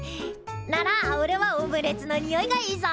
ならおれはオムレツのにおいがいいぞ。